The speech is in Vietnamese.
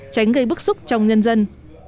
tránh gây bức xúc trong nhân dân